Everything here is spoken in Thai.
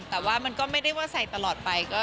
แต่ว่ามันก็ไม่ได้ว่าใส่ตลอดไป